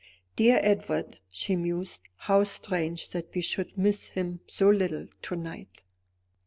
"Dear Edward!" she mused, "how strange that we should miss him so little to night."